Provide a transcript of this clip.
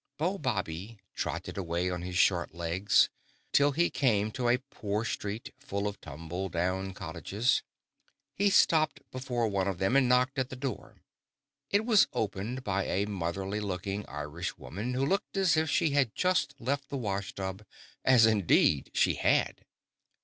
Beau Bobby trotted away on his short legs till he came to a poor street, full of tumble down cottages. He stopped before one of them and knocked at the door. It was opened by a motherly looking Irish woman, who looked as if she had just left the washtub, as, indeed, she had.